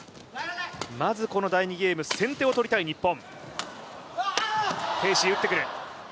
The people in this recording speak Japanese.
まずこの第２ゲーム、先手を取りたい日本。